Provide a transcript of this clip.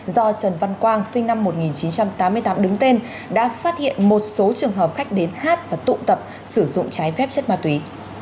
do trần văn quang sinh năm một nghìn chín trăm tám mươi tám đứng tên đã phát hiện một số trường hợp khách đến hát và tụ tập sử dụng trái phép chất ma túy